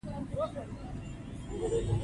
ښوونځی د هېواد خدمت ته چمتو کوي